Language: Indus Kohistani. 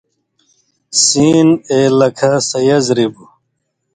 سین اے لکھہ سَیَضرِبُ